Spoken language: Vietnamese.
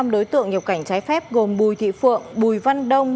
năm đối tượng nhập cảnh trái phép gồm bùi thị phượng bùi văn đông